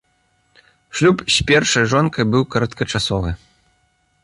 Шлюб з першай жонкай быў кароткачасовы.